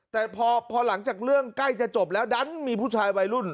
แต่พอหลังจากเรื่องใกล้จะจบแล้วดันมีผู้ชายวัยรุ่น